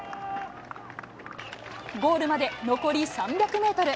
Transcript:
ゴールまで残り３００メートル。